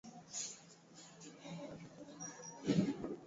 elizabeth alimpikia bibi yake victoria aliyekuwa malkia wa uingereza